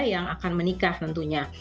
yang akan menikah tentunya